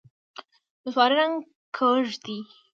نسواري رنګ کږ دی.